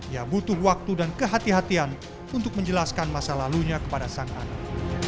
ia butuh waktu dan kehatian kehatian untuk menjelaskan masa lalunya kepada sang anak